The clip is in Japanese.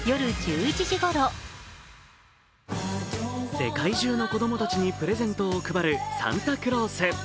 世界中の子供たちにプレゼントを配るサンタクロース。